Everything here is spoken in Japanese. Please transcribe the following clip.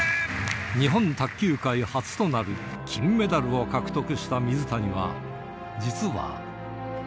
日本卓球界初となる金メダルを獲得した水谷は、実は。